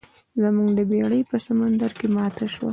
زموږ بیړۍ په سمندر کې ماته شوه.